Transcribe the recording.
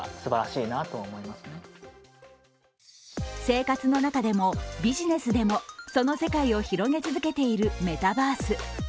生活の中でも、ビジネスでもその世界を広げ続けているメタバース。